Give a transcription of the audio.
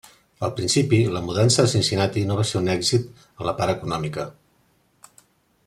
Al principi, la mudança a Cincinnati no va ser un èxit en la part econòmica.